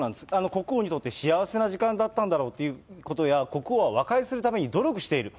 国王にとって幸せな時間だったんだろうということや、国王は和解するために努力している。